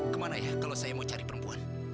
kemana ya kalau saya mau cari perempuan